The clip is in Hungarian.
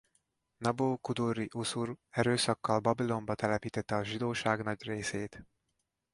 Nabú-kudurri-uszur erőszakkal Babilonba telepítette a zsidóság nagy részét.